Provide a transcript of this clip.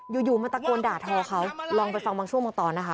อยู่มาตะโกนด่าทอเขาลองไปฟังบางช่วงบางตอนนะคะ